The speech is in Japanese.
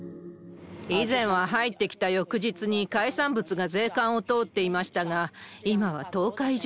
以前は入ってきた翌日に海産物が税関を通っていましたが、今は１０日以上。